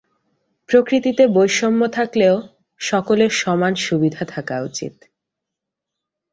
প্রকৃতিতে বৈষম্য থাকলেও সকলের সমান সুবিধা থাকা উচিত।